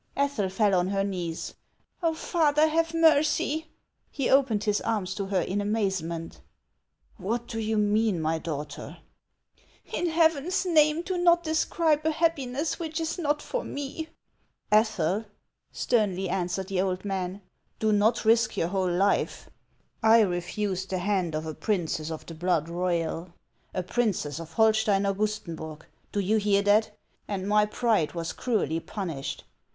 Ethel fell on her knees. " Oh, father, have mercy !" He opened his arms to her in amazement. " What do you mean, my daughter ?"" In Heaven's name, do not describe a happiness which is not for me !" "Ethel," sternly answered the old man, "do not risk your whole life. I refused the hand of a princess of the blood royal, a princess of Holstein Augustenburg, — do you hear that ?— and my pride was cruelly punished.